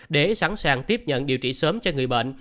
để sẵn sàng tiếp nhận điều trị sớm cho người bệnh